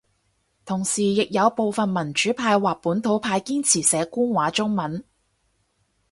同時亦有部份民主派或本土派堅持寫官話中文